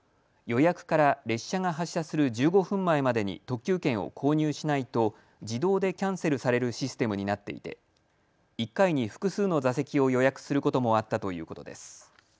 予約から列車が発車する１５分前までに特急券を購入しないと自動でキャンセルされるシステムになっていて１回に複数の座席を予約することもあったということです。